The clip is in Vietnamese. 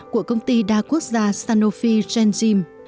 của công ty đa quốc gia sanofi genzyme